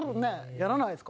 やらないですか？